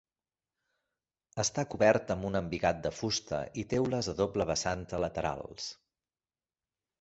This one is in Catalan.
Està cobert amb un embigat de fusta i teules a doble vessant a laterals.